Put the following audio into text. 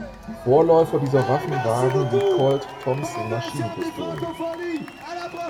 Vorläufer dieser Waffe waren die Colt-Thompson-Maschinenpistolen.